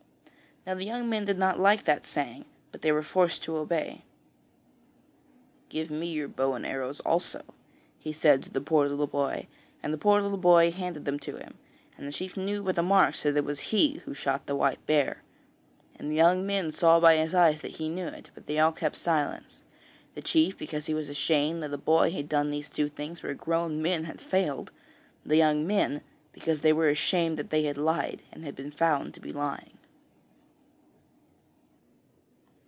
Now the young men did not like that saying, but they were forced to obey. 'Give me your bow and arrows also,' he said to the poor little boy, and the poor little boy handed them to him, and the chief knew by the marks that it was he who shot the white bear. And the young men saw by his eyes that he knew it, but they all kept silence: the chief because he was ashamed that a boy had done these two things where grown men had failed; the young men, because they were ashamed that they had lied and had been found to be lying.